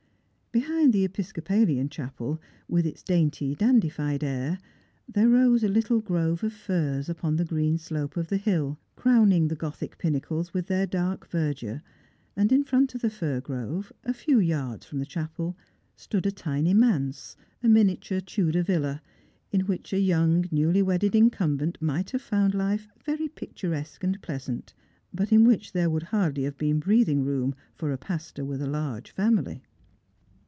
Be hind the Episcopalian chapel, with its dainty, dandified air, there rose a little grove of firs upon the green slope of the hill, crowning the gothic pinnacles with their dark verdure, and in front of the fir grove, a few yards from the chapel, stood a tiny manse, a miniature Tudor villa, in which a young newly wedded incumbent might have found life very picturesque and pleasant, but in which there would have hardly been breathing room tor a pastor with a large family.